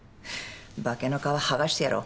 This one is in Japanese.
化けの皮剥がしてやろう。